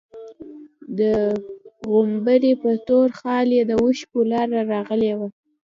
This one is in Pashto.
د غومبري په تور خال يې د اوښکو لاره راغلې وه.